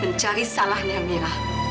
mencari salahnya mira